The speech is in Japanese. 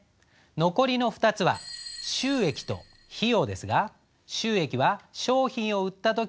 残りの２つは収益と費用ですが収益は商品を売った時のもうけなど。